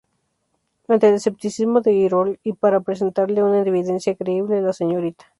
Ante el escepticismo de Gilroy, y para presentarle una evidencia creíble, la Srta.